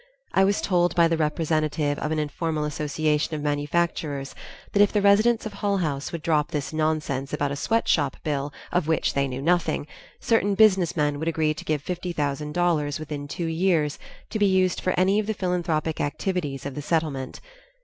I was told by the representatives of an informal association of manufacturers that if the residents of Hull House would drop this nonsense about a sweatshop bill, of which they knew nothing, certain business men would agree to give fifty thousand dollars within two years to be used for any of the philanthropic activities of the Settlement.